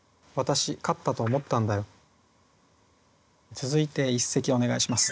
続いて一席お願いします。